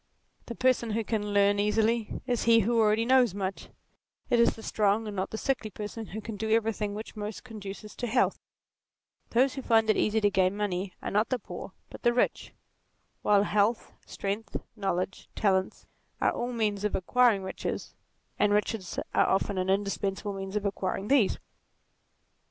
The person who can learn easily, is he who already knows much : it is the strong and not the sickly person who can do everything which most conduces to health; those who find it easy to gain money are not the poor but the rich ; while health, strength, knowledge, talents, are all means of acquiring D 36 NATURE riches, and riches are often an indispensable means of acquiring these.